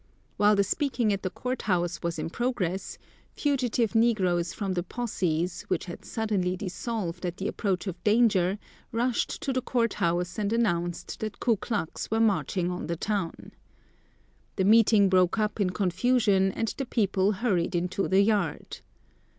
While the speaking at the court house was in progress, fugitive negroes from the posses, which had suddenly dissolved at the approach of danger, rushed to the court house and announced that Ku Klux were marching on the town. The meeting broke up in confusion and the people hurried into the yard.